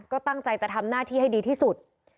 ก็ตั้งใจจะทำหน้าที่ให้ดีที่สุด